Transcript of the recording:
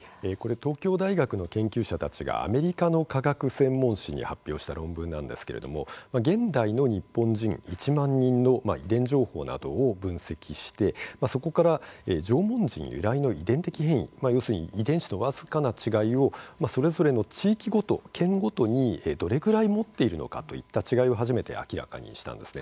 東京大学の研究者たちがアメリカの科学専門誌に発表した論文なんですけれども現代の日本人１万人の遺伝情報などを分析してそこから縄文人由来の遺伝的変異要するに、遺伝子の僅かな違いをそれぞれの地域ごと、県ごとにどれぐらい持っているのかといった違いを初めて明らかにしたんですね。